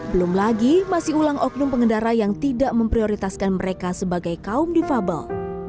belum lagi masih ulang oknum pengendara yang tidak memprioritaskan mereka sebagai kaum difabel